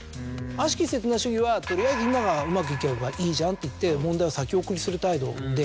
悪しき刹那主義は取りあえず今がうまくいけばいいじゃんっていって問題を先送りする態度で。